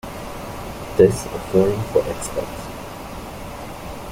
This a forum for experts.